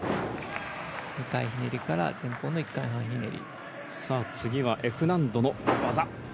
２回ひねりから前半の１回半ひねり。